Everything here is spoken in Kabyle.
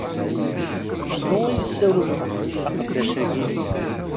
Anwa i yessewlen aqeddac-agi?